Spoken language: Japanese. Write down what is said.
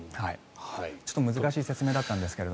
ちょっと難しい説明だったんですが。